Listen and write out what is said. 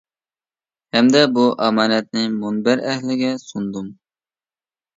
ھەمدە بۇ ئامانەتنى مۇنبەر ئەھلىگە سۇندۇم.